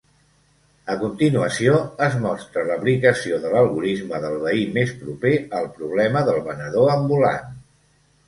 A continuació, es mostra l'aplicació de l'algorisme del veí més proper al problema del venedor ambulant.